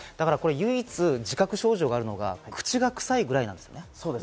唯一自覚症状があるのが口が臭いぐらいなんですよね。